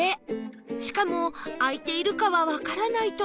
しかも開いているかはわからないとの事